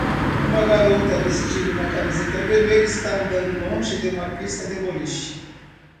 Uma garota vestindo uma camisa vermelha está andando longe de uma pista de boliche.